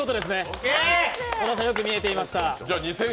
小田さん、よく見えていました。